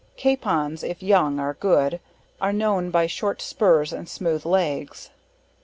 Capons, if young are good, are known by short spurs and smooth legs.